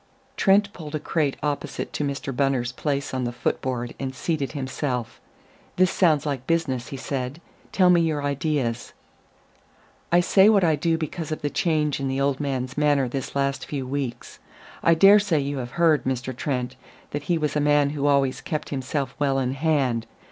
Trent pulled a crate opposite to Mr. Bunner's place on the foot board and seated himself. "This sounds like business," he said. "Tell me your ideas." "I say what I do because of the change in the old man's manner this last few weeks. I dare say you have heard, Mr. Trent, that he was a man who always kept himself well in hand.